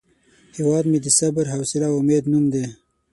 هیواد مې د صبر، حوصله او امید نوم دی